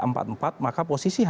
empat empat maka posisi